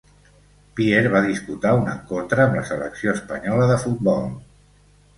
Pier va disputar un encontre amb la selecció espanyola de futbol.